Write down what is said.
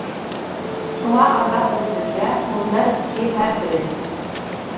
شۇڭا ئامراق ئۆزلىرىگە، مۇنبەردىكى ھەر بىرى.